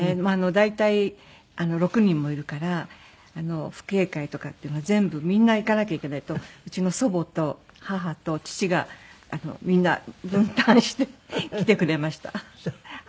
大体６人もいるから父兄会とかっていうのは全部みんな行かなきゃいけないとうちの祖母と母と父がみんな分担して来てくれました。